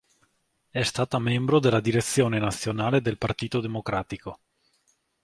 È stata membro della Direzione Nazionale del Partito Democratico.